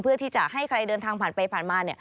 เพื่อที่จะให้ใครเดินทางผ่านไปผ่านมา